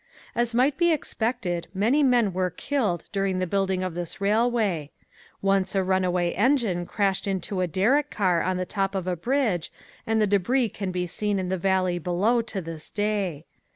As might be expected many men were killed during the building of this railway. Once a runaway engine crashed into a derrick car on the top of a bridge and the debris can be seen in the valley below to this day.